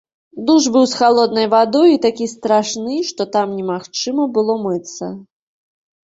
Душ быў з халоднай вадой і такі страшны, што там немагчыма было мыцца.